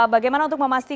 bagaimana untuk memastikan